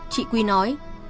chị quy nói